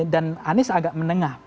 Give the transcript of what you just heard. dan anies agak menengah